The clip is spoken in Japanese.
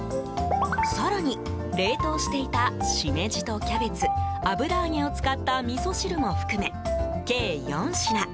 更に冷凍していたシメジとキャベツ油揚げを使ったみそ汁も含め計４品。